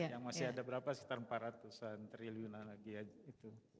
yang masih ada berapa sih terlalu banyak lagi